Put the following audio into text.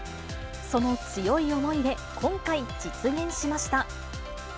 その強い思いで今回、実現しました。